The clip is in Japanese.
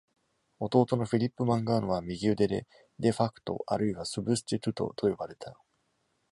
弟のフィリップ・マンガーノは右腕で、「de facto」あるいは「substituto」と呼ばれた。